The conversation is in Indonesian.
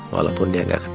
walaupun dia gak kenal